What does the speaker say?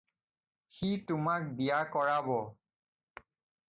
সি তোমাক বিয়া কৰাব।